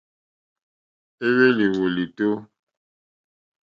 Éhwélì wòlìtó.